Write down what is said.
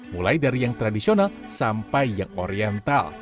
mulai dari yang tradisional sampai yang oriental